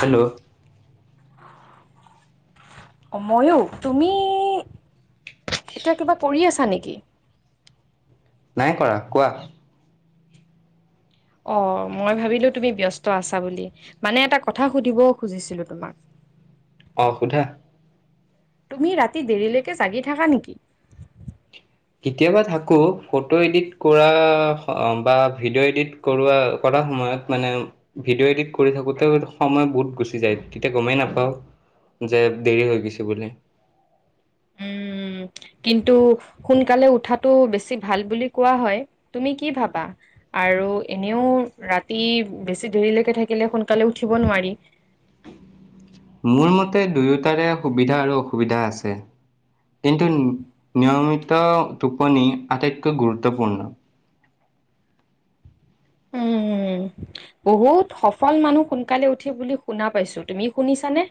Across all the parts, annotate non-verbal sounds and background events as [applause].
Hello. অ', ময়ো, তুমি এতিয়া কিবা কৰি আছা নেকি? নাই কৰা, কোৱা? অ', মই ভাবিলো তুমি ব্যস্ত আছা বুলি, মানে এটা কথা সুধিব খুজিছিলো তোমাক। অ', সোধা। তুমি ৰাতি দেৰিলৈকে জাগি থাকা নেকি? কেতিয়াবা থাকোঁ ফটো এডিট কৰা বা ভিডিঅ' এডিট কৰোৱা কৰা সময়ত মানে ভিডিঅ' এডিট কৰি থাকোতেওঁ সময় বহুত গুচি যায়, তেতিয়া গমেই নাপাওঁ। যে দেৰি হৈ গৈছে বোলে। উম। কিন্তু সোনকালে উঠাটো বেছি ভাল বুলি কোৱা হয়, তুমি কি ভাবা? আৰু এনেও ৰাতি বেছি দেৰিলৈকে থাকিলে, সোনকালে উঠিব নোৱাৰি। মোৰ মতে দুয়োটাৰে সুবিধা আৰু অসুবিধা আছে। কিন্তু নিয়মিত টোপনি আটাইতকৈ গুৰুত্বপূৰ্ণ। উম উম উম। বহুত সফল মানুহ সোনকালে উঠে বুলি শুনা পাইছো, তুমি শুনিছানে?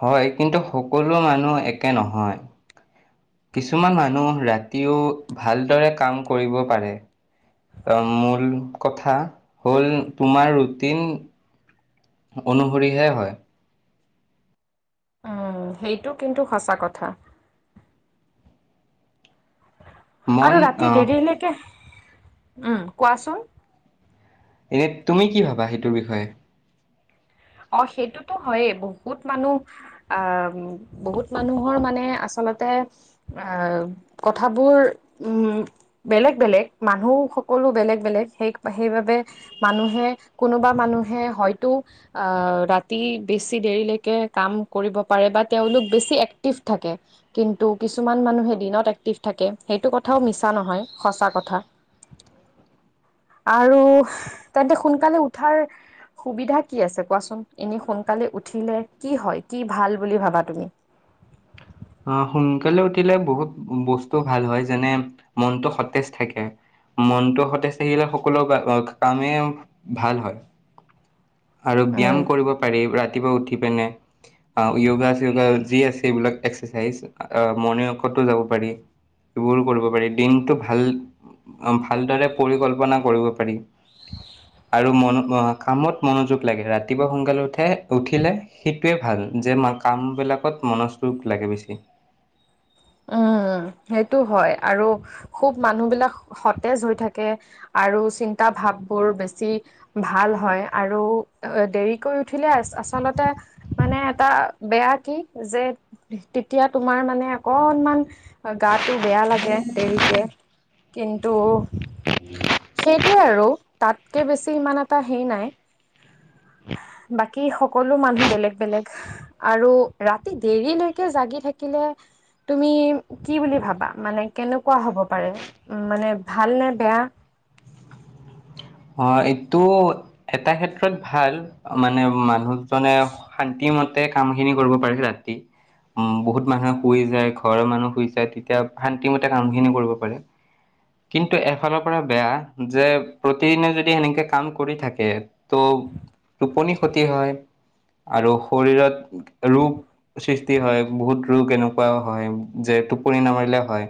হয়, কিন্তু সকলো মানুহ একে নহয়। কিছুমান মানুহ ৰাতিও ভালদৰে কাম কৰিব পাৰে। অ', মূল কথা, হ'ল, তোমাৰ ৰুটিন। অনুসৰিহে হয়। উম, সেইটো কিন্তু সঁচা কথা। মন আৰু ৰাতি আহ দেৰিলৈকে, উম, কোৱাচোন? এনে তুমি কি ভাবা? সেইটোৰ বিষয়ে। অ', সেইটোতো হয়েই, বহুত মানুহ- আহ', বহুত মানুহৰ মানে আচলতে- আহ', কথাবোৰ, উম। বেলেগ বেলেগ, মানুহ সকলো বেলেগ বেলেগ, সেই সেইবাবে মানুহে, কোনোবা মানুহে হয়তো আহ', ৰাতি বেছি দেৰিলৈকে কাম কৰিব পাৰে বা তেওঁলোক বেছি এক্টিভ থাকে। কিন্তু কিছুমান মানুহে দিনত এক্টিভ থাকে, সেইটো কথাও মিছা নহয়, সঁচা কথা। আৰু তেন্তে সোনকালে উঠাৰ, সুবিধা কি আছে কোৱাচোন? এনেই সোনকালে উঠিলে কি হয়? কি ভাল বুলি ভাবা তুমি? অ', সোনকালে উঠিলে বহুত বস্তু ভাল হয় যেনে মনটো সতেজ থাকে। মনটো সতেজ থাকিলে সকলো কামেই, ভাল হয়। আৰু ব্যায়াম উম। কৰিব পাৰি ৰাতিপুৱা উঠি পিনে। অ', ইউগা চিওগা যি আছে এইবিলাক এক্সাইজ মৰ্ণং ৱাকতো যাব পাৰি। এইবোৰ কৰিব পাৰি দিনটো ভাল ভালদৰে পৰিকল্পনা কৰিব পাৰি, আৰু কামত মনোযোগ লাগে ৰাতিপুৱা সোনকালে উঠে উঠিলে সেইটোৱে ভাল যে কামবিলাকত মন যোগ লাগে বেছিকে। উম, সেইটো হয় আৰু, খুব মানুহ বিলাক সতেজ হৈ থাকে। আৰু চিন্তা ভাব বোৰ বেছি। ভাল হয় আৰু এ দেৰিকৈ উঠিলে আচলতে মানে এটা বেয়া কি যে, তেতিয়া তোমাৰ মানে অকনমান, গাটো বেয়া লাগে দেৰিকে, কিন্তু- সেইটোৱেই আৰু, তাতকে বেছি ইমান এটা হেৰি নাই। বাকী সকলো মানুহ বেলেগ বেলেগ। আৰু ৰাতি দেৰিলৈকে জাগি থাকিলে। তুমি কি বুলি ভাবা মানে কেনেকুৱা হ'ব পাৰে, মানে ভাল নে বেয়া? অ', এইটো, এটা ক্ষেত্ৰত ভাল মানে মানুহ জনে শান্তি মতে কাম খিনি কৰিব পাৰিছে ৰাতি। উম বহুত মানুহে শুই যায় ঘৰৰ মানুহ শুই যায় তেতিয়া শান্তিমতে কামখিনি কৰিব পাৰে। কিন্তু এফালৰ পৰা বেয়া যে প্ৰতিদিনে যদি সেনেকে কাম কৰি থাকে, ত', টোপনি ক্ষতি হয়। আৰু শৰীৰত, ৰোগ সৃষ্টি হয় বহুত ৰোগ এনেকুৱাও হয় যে টোপনি নামাৰিলে হয়।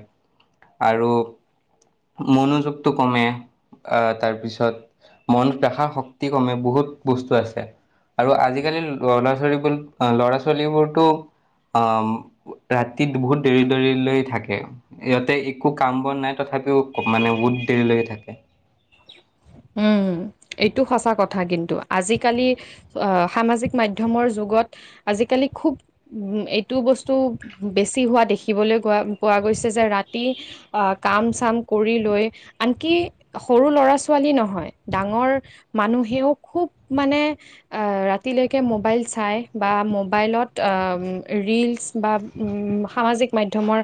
আৰু, মনোযোগটো কমে, আহ', তাৰপিছত। মনত পেখা শক্তি কমে বহুত বস্তু আছে। আৰু আজিকালি ল'ৰা-ছোৱালীবোৰ ল'ৰা- ছোৱালীবোৰতো, আহ', - ৰাতিত বহুত দেৰি দেৰি লৈ থাকে। ইহঁতে একো কাম বন নাই তথাপিও মানে বহুত দেৰি লৈকে থাকে। উম এইটো সঁচা কথা কিন্তু আজিকালি আহ সামাজিক মাধ্যমৰ যুগত আজিকালি খুব এইটো বস্তু বেছি হোৱা দেখিবলে পোৱা গৈছে যে ৰাতি আহ কাম চাম কৰি লৈ আনকি সৰু ল'ৰা ছোৱালী নহয়, ডাঙৰ মানুহেও খুব মানে ৰাতিলৈকে মোবাইল চাই বা মোবাইলত ৰিলচ বা উম সামাজিক মাধ্যমৰ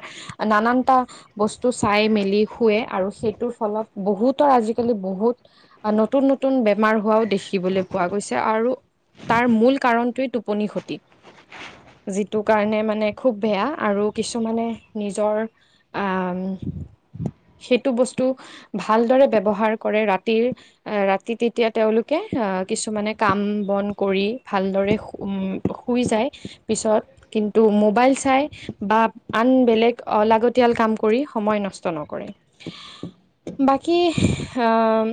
নানানটা বস্তু চাই মেলি শুৱে আৰু সেইটোৰ ফলত বহুতৰ আজি কালি বহুত নতুন নতুন বেমাৰ হোৱাও দেখিবলৈ পোৱা গৈছে আৰু তাৰ মূল কাৰণটোৱে টোপনি খতি। যিটো কাৰণে মানে খুব বেয়া আৰু কিছুমানে নিজৰ আহ সেইটো বস্তু ভালদৰে ব্যৱহাৰ কৰে ৰাতিৰ ৰাতি তেতিয়া তেওঁলোকে আহ কিছুমানে কাম বন কৰি ভালদৰে সোম শুই যায় পিছত কিন্তু মোবাইল চাই বা আন বেলেগ অলাগতিয়াল কাম কৰি সময় নষ্ট নকৰে। বাকী আহ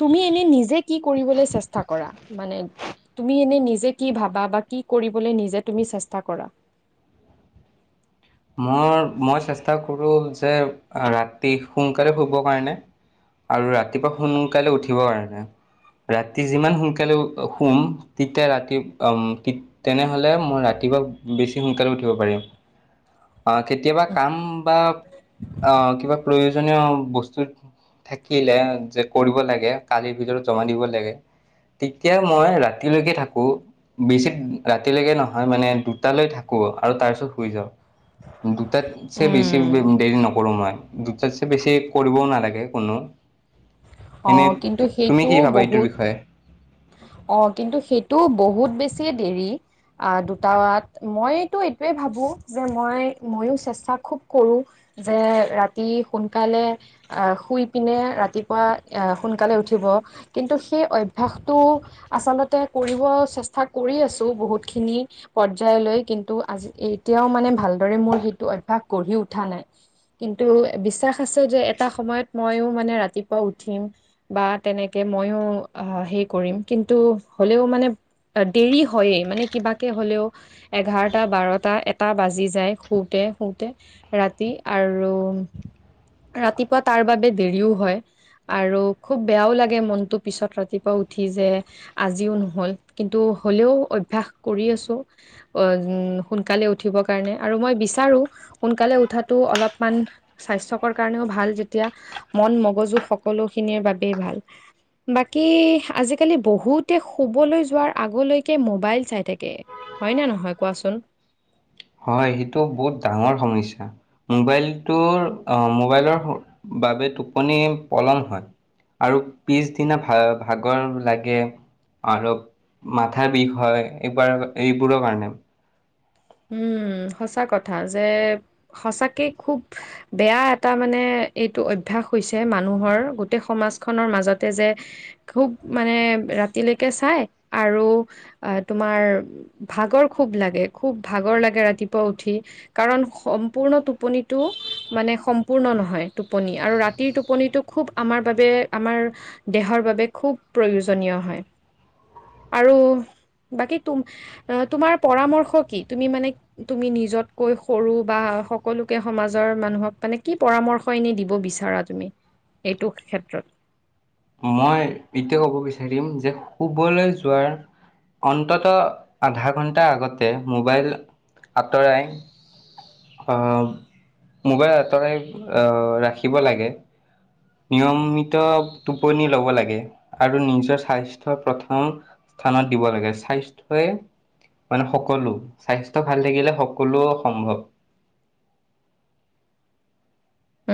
তুমি এনে নিজে কি কৰিবলৈ চেষ্টা কৰা মানে তুমি এনে নিজে কি ভাবা বা কি কৰিবলৈ নিজে তুমি চেষ্টা কৰা? মই মই চেষ্টা কৰো যে ৰাতি সোনকালে শুব কাৰণে। আৰু ৰাতিপুৱা সোন কালে উঠিব কাৰনে। ৰাতি যিমান সোনকালে শুম তেতিয়া ৰাতি আম তি তেনেহলে মই ৰাতিপুৱা বেছি সোনকালে উঠিব পাৰিম। অ কেতিয়াবা কাম বা অ কিবা প্ৰয়োজনীয় বস্তু থাকিলে যে কৰিব লাগে কালিৰ ভিতৰত জমা দিব লাগে। তেতিয়া মই ৰাতিলৈকে থাকো। বেছি ৰাতিলৈকে নহয় মানে দুটালৈ থাকো আৰু তাৰ পিছত শুই যাও। দুটাত চে বেছি উম দেৰি নকৰো মই, দুটাত চে বেছি কৰিবও নালাগে কোনো। অ এনেই কিন্তু তুমি কি সেইটোও ভাবা এইটোৰ বহুত বিষয়ে? অ কিন্তু সেইটো বহুত বেছি দেৰি। আহ দুটাত, মইতো এইটোৱেই ভাবো যে মই ময়ো চেষ্টা খুব কৰোঁ। যে ৰাতি সোনকালে আ শুই পিনে ৰাতিপুৱা সোনকালে উঠিব কিন্তু সেই অ ভ্যাসটো আচলতে কৰিব চেষ্টা কৰি আছোঁ বহুতখিনি। পৰ্যায়লৈ কিন্তু আজি এতিয়াও মানে ভালদৰে মোৰ সেইটো অভ্যাস গঢ়ি উঠা নাই। কিন্তু বিশ্বাস আছে যে এটা সময়ত ময়ো মানে ৰাতিপুৱা উঠিম। বা তেনেকে মইও অ সেই কৰিম কিন্তু হ'লেও মানে দেৰি হয়য়ে মানে কিবাকে হ'লেও এঘাৰটা বাৰটা এটা বাজি যায় শুওঁতে শুওঁতে ৰাতি আৰু ৰাতিপুৱা তাৰ বাবে দেৰিও হয় আৰু খুব বেয়াও লাগে মনতো পিছত ৰা তিপুৱা উঠি যে আজিও নহ'ল কিন্তু হ'লেও অভ্যাস কৰি আছো। অন সোনকালে উঠিবৰ কাৰণে আৰু মই বিচাৰো সোনকালে উঠাটো অলপমান স্বাস্থ্যকৰ কাৰণেও ভাল যেতিয়া, মন মগজু সকলোখিনিৰ বাবেই ভাল। কি আজিকালি বহুতে শুবলৈ যোৱাৰ আগলৈকে মোবাইল চাই থাকে। হয়নে নহয় কোৱাচোন হয় সেইটো বহুত ডাঙৰ সমস্যা মোবাইলটোৰ আহ মোবাইলৰ বাবে টোপনি পলম হয় আৰু পিছদিনা ভা ভাগৰ লাগে আৰু মাথা বিষ হয় এইবাৰ এইবোৰৰ কাৰণে উম সঁচা কথা যে সঁচাকে খুব বেয়া এটা মানে এইটো অভ্যাস হৈছে মানুহৰ গোটেই সমাজখনৰ মাজতে যে খুব মানে ৰাতিলৈকে চাই আৰু আহ তোমাৰ ভাগৰ খুব লাগে খুব ভাগৰ লাগে ৰাতিপুৱা উঠি কাৰণ সম্পূৰ্ণ টোপনিটো মানে সম্পূৰ্ণ নহয় টোপনি আৰু ৰাতিৰ টোপনিটো খুব আমাৰ বাবে আমাৰ দেহৰ বাবে খুব প্ৰয়োজনীয় হয় আৰু বাকী তুম তোমাৰ পৰামৰ্শ কি তুমি মানে তুমি নিজতকৈ সৰু বা সকলোকে সমাজৰ মানুহক মানে কি পৰামৰ্শ হয় নি দিব বিচাৰা তুমি এইটো ক্ষেত্ৰত মই এতিয়া ক'ব বিচাৰিম যে শুবলৈ যোৱাৰ অন্তত আধা ঘণ্টা আগতে মোবাইল আঁতৰাই অ মোবাইল আতৰাই আহ ৰাখিব লাগে নিয়মিত টোপনি লব লাগে আৰু নিজৰ স্বাস্থ্যৰ প্ৰথম স্থানত দিব লাগে স্বাস্থ্যই মানে সকলো স্বাস্থ্য ভাল থাকিলে সকলো সম্ভৱ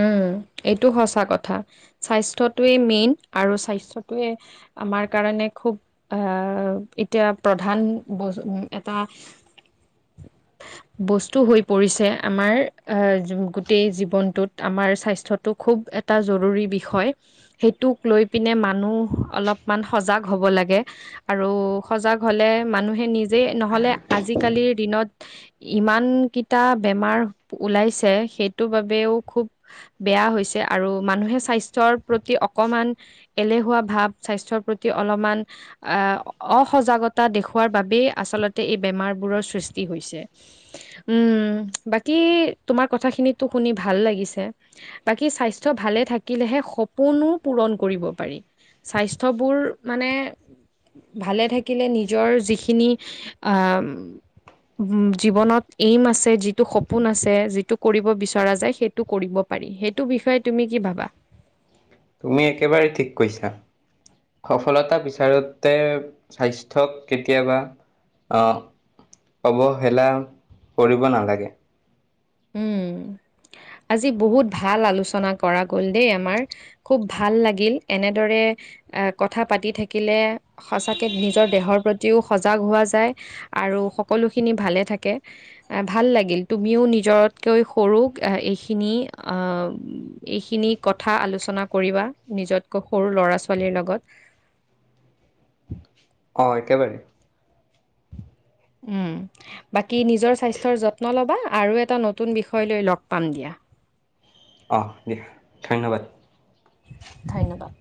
উম এইটো সঁচা কথা স্বাস্থ্যটোৱে মেইন আৰু স্বাস্থ্যটোৱে আমাৰ কাৰণে খুব আহ এতিয়া প্ৰধান ব এটা [unintelligible] বস্তু হৈ পৰিছে আমাৰ আহ গোটেই জীৱনটোত আমাৰ স্বাস্থ্যটো খুব এটা জৰুৰী বিষয় সেইটোক লৈ পিনে মানুহ অলপমান সজাগ হ'ব লাগে আৰু সজাগ হ'লে মানুহে নিজেই নহলে আজিকালিৰ দিনত ইমানকেইটা বেমাৰ ওলাইছে সেইটোৰ বাবেও খুব বেয়া হৈছে আৰু মানুহে স্বাস্থ্যৰ প্ৰতি অকমান এলেহুৱা ভাৱ স্বাস্থ্যৰ প্ৰতি অলপমান আহ অসজাগতা দেখওঁৱাৰ বাবেই আচলতে এই বেমাৰবোৰৰ সৃষ্টি হৈছে উম বাকী তোমাৰ কথা খিনিতো শুনি ভাল লাগিছে বাকী স্বাস্থ্য ভালে থাকিলেহে সপোনো পূৰণ কৰিব পাৰি স্বাস্থ্যবোৰ মানে ভালে থাকিলে নিজৰ যিখিনি আহ জীৱনত এইম আছে, যিটো সপোন আছে, যিটো কৰিব বিচৰা যায়, সেই টো কৰিব পাৰি সেইটো বিষয়ে তুমি কি ভাবা তুমি একেবাৰে ঠিক কৈছা সফলতা বিচাৰোতে স্বাস্থ্যক কেতিয়াবা অ অৱহেলা কৰিব নালাগে উম আজি বহুত ভাল আলোচনা কৰা গ'ল দেই আমাৰ খুব ভাল লাগিল এনেদৰে এ কথা পাতি থাকিলে সঁচাকে নিজৰ দেহৰ প্ৰতিও সজাগ হোৱা যায় আৰু সকলো খিনি ভালে থাকে, এ ভাল লাগিল তুমিও নি নিজতকৈ সৰুক এইখিনি আহ এইখিনি কথা আলোচনা কৰিবা, নিজতকৈ সৰু ল'ৰা ছোৱালীৰ লগত। উ [unintelligible] অ' একেবাৰে। ওম বাকী নিজৰ স্বাস্থ্যৰ যত্ন ল'বা, আৰু এটা নতুন বিষয় লৈ লগ পাম দিয়া। অঁ দিয়া ধন্যবাদ। ধন্যবাদ।